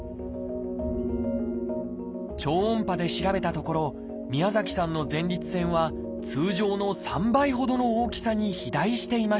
超音波で調べたところ宮崎さんの前立腺は通常の３倍ほどの大きさに肥大していました。